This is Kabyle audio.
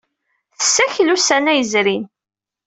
Tessakel ussan-a ay yezrin.